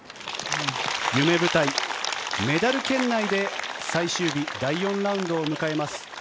夢舞台、メダル圏内で最終日、第４ラウンドを迎えます。